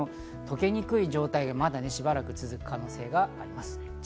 溶けにくい状態がまだしばらく続く可能性があります。